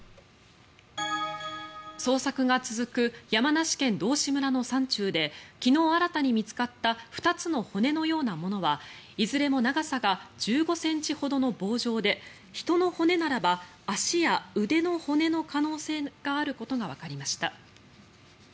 捜索が続く山梨県道志村の山中で昨日、新たに見つかった２つの骨のようなものはいずれも長さが１５ｃｍほどの棒状で人の骨ならば足や腕の骨の可能性があることがわかりました。